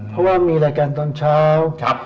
เพราะว่ามีรายการตอนเช้า